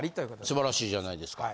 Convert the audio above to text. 素晴らしいじゃないですか。